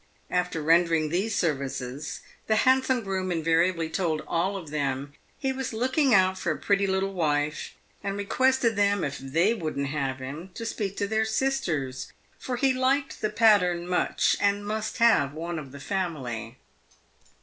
After rendering these services, the handsome groom invariably told all of them he was looking out for a pretty little wife, and requested them, if they wouldn't have him, to speak to their sisters, " for he liked the pattern much, and must have one of the family."